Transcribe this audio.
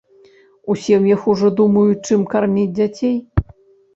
У сем'ях ужо думаюць, чым карміць дзяцей.